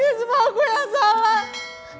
ini semua aku yang salah